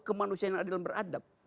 kemanusiaan yang adil dan beradab